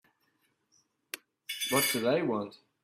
What do they want?